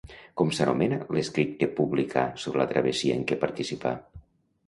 Com s'anomenà l'escrit que publicà sobre la travessia en què participà?